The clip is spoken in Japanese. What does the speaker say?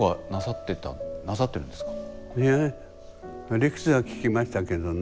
理屈は聞きましたけどね。